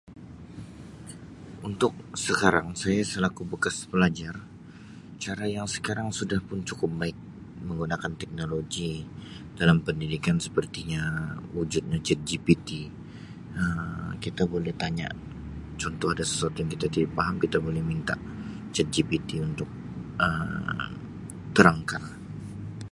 Untuk sekarang saya selaku bekas pelajar cara yang sekarang sudah pun cukup baik menggunakan teknologi dalam pendidikan sepertinya wujudnya ChatGPT Um kita boleh tanya contoh ada sesuatu yang kita tidak faham kita boleh minta ChatGPT untuk Um terangkan.